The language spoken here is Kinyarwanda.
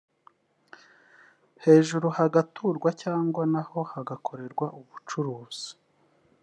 hejuru hagaturwa cyangwa naho hagakorerwa ubucuruzi